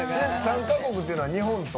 ３か国語ってのは日本と？